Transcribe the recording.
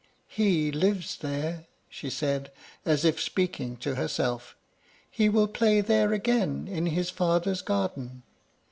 "He lives there," she said, as if speaking to herself. "He will play there again, in his father's garden."